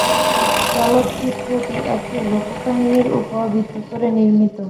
চলচ্চিত্রটি একটি লোক কাহিনীর উপর ভিত্তি করে নির্মিত।